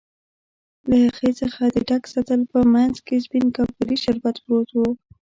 له یخی څخه د ډک سطل په مینځ کې سپین کاپري شربت پروت و.